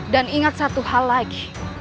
dan ingat satu hal lagi